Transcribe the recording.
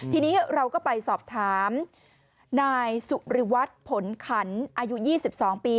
ทีนี้เราก็ไปสอบถามนายสุริวัตรผลขันอายุ๒๒ปี